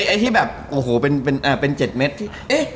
ไอ้ที่แบบโอ้โหเป็น๗เม็ดที่เอ๊ะ